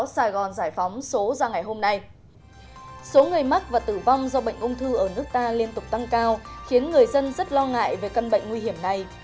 số người mắc và tử vong do bệnh ung thư ở nước ta liên tục tăng cao khiến người dân rất lo ngại về căn bệnh nguy hiểm này